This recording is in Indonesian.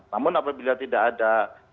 namun apabila tidak ada